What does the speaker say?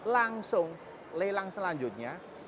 langsung leilang selanjutnya